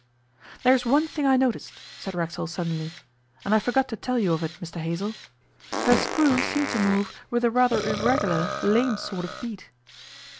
'There's one thing I noticed,' said Racksole suddenly, 'and I forgot to tell you of it, Mr Hazell. Her screw seemed to move with a rather irregular, lame sort of beat.